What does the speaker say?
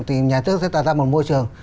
thì nhà nước sẽ tạo ra một môi trường